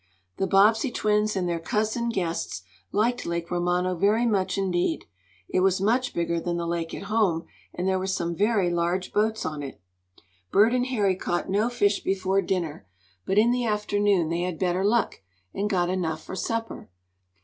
The Bobbsey twins, and their cousin guests, liked Lake Romano very much indeed. It was much bigger than the lake at home, and there were some very large boats on it. Bert and Harry caught no fish before dinner, but in the afternoon they had better luck, and got enough for supper.